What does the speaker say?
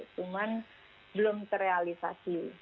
cuman belum terrealisasi